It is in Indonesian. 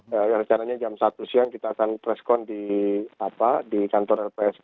yang rencananya jam satu siang kita akan preskon di kantor lpsk